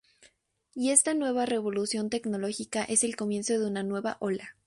Y esta nueva revolución tecnológica es el comienzo de una nueva ola.